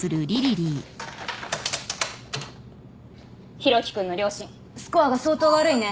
ヒロキ君の両親スコアが相当悪いね。